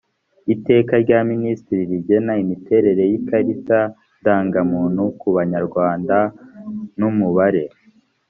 iteka rya minisitiri rigena imiterere y ikarita ndangamuntu ku banyarwanda n umubare